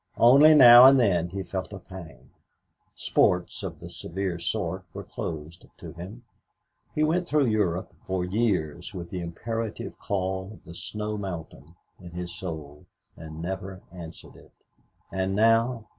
Only now and then he felt a pang. Sports of the severe sort were closed to him. He went through Europe for years with the imperative call of the snow mountain in his soul and never answered it. And now?